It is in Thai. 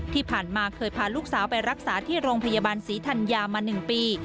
ที่ผ่านมาเคยพาลูกสาวไปรักษาที่โรงพยาบาลศรีธัญญามา๑ปี